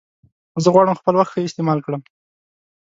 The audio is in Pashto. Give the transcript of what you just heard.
زه غواړم خپل وخت ښه استعمال کړم.